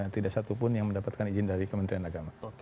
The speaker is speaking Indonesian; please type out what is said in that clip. tidak satupun yang mendapatkan izin dari kementerian agama